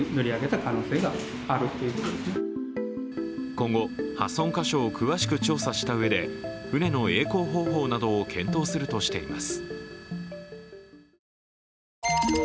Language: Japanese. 今後、破損箇所を詳しく調査したうえで船のえい航方法などを検討するとしています。